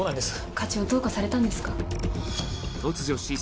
課長どうかされたんですか？